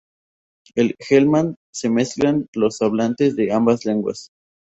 En Helmand, se mezclan los hablantes de ambas lenguas.